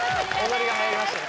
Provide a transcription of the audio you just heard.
踊りが入りましたよ